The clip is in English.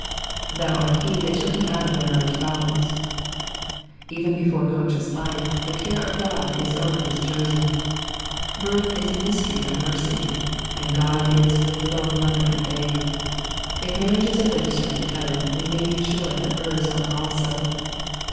"Thou art he that took me out of my mother' tthoiteis,''' Even before conscious life, the care of. God is over his chosen. Birth is a mystery of mercy, and God is both with mother and babe. If mariingcs are registered in heaven, we may be sure that births are also.